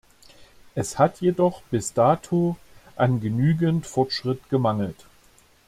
Es hat jedoch bis dato an genügend Fortschritt gemangelt.